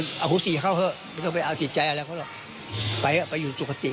ไปก็ได้ดีให้ตาม